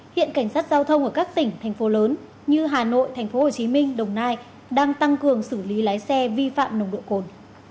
hiện cảnh sát giao thông ở các tỉnh thành phố lớn như hà nội tp hcm đồng nai đang tăng cường xử lý lái xe vi phạm nồng độ cồn